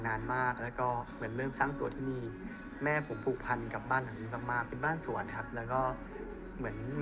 แล้วก็เหมือนมีคนเข้ามาทำลายสีที่เขารักหายไปครับ